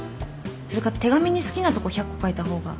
それか手紙に好きなとこ１００個書いた方が伝わる？